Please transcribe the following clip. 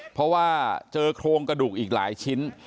เพราะว่าเจอโครงกระดูกอีกหลายชิ้น